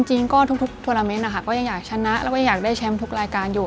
จริงก็ทุกทวนาเมนต์นะคะก็ยังอยากชนะแล้วก็อยากได้แชมป์ทุกรายการอยู่